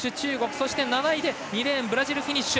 そして７位で２レーンのブラジルフィニッシュ。